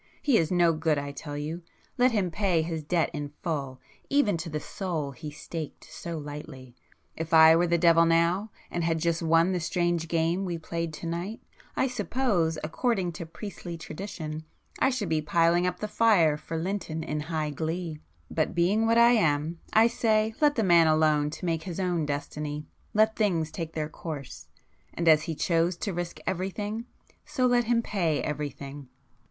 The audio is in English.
He is no good I tell you,—let him pay his debt in full, even to the soul he staked so lightly. If I were the devil now, and had just won the strange game we played to night, I suppose according to priestly tradition, I should be piling up the fire for Lynton in high glee,—but being what I am, I say let the man alone to make his own destiny,—let things take their course,—and as he chose to risk everything, so let him pay everything."